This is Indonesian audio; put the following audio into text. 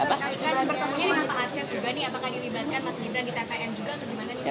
apakah diribatkan mas gibran di tpn juga atau gimana nih